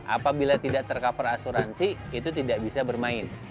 apabila tidak tercover asuransi itu tidak bisa bermain